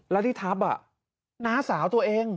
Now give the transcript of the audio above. แล้วที่ทับน้าสาวตัวเอง